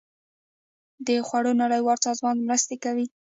د خوړو نړیوال سازمان مرستې کوي